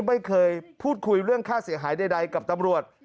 ไม่เคยพูดคุยเรื่องค่าเสียหายใดกับตำรวจ